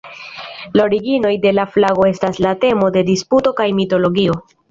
La originoj de la flago estas la temo de disputo kaj mitologio.